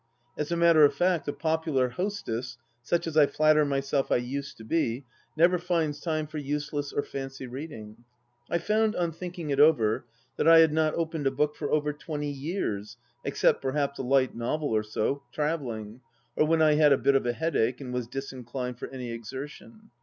As a matter of fact, a popular hostess, such as I flatter myself I used to be, never finds time for useless or fancy reading. I found, on thinking it over, that I had not opened a book for over twenty years, except, perhaps, a light novel or so, travelling, or when I had a bit of a headache and was disinclined for any exertion.